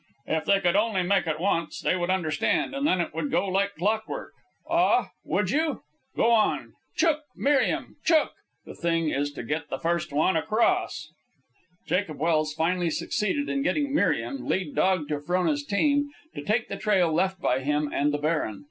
"If they could only make it once, they would understand, and then it would go like clock work. Ah! Would you? Go on! Chook, Miriam! Chook! The thing is to get the first one across." Jacob Welse finally succeeded in getting Miriam, lead dog to Frona's team, to take the trail left by him and the baron.